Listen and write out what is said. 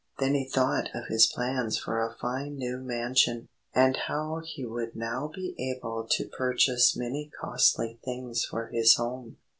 Then he thought of his plans for a fine new mansion, and how he would now be able to purchase many costly things for his home.